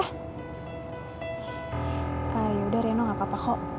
yaudah reno gak apa apa ho